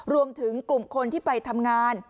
รวมถึงกลุ่มคนที่ไปทำงาน